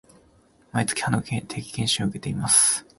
毎月、歯の定期検診を受けています